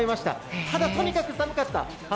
ただとにかく寒かった。